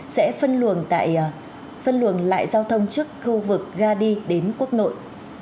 sẽ phân luồng lại giao thông trước khu vực ga đi đến quốc nội